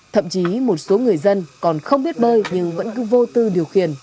thậm chí một số người dân còn không biết bơi nhưng vẫn cứ vô tư điều khiển